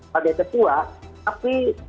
pada cepua tapi